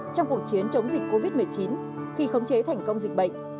trong cuộc chiến chống dịch covid một mươi chín khi khống chế thành công dịch bệnh